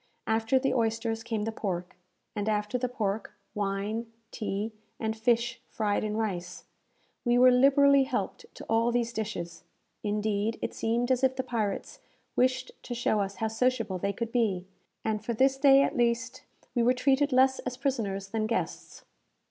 After the oysters came the pork, and after the pork, wine, tea, and fish fried in rice. We were liberally helped to all these dishes. Indeed, it seemed as if the pirates wished to show us how sociable they could be, and for this day, at least, we were treated less as prisoners than guests.